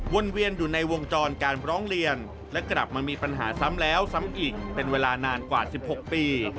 เวียนอยู่ในวงจรการร้องเรียนและกลับมามีปัญหาซ้ำแล้วซ้ำอีกเป็นเวลานานกว่า๑๖ปี